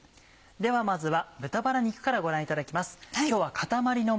ではまずは豚バラ肉からご覧いただきます。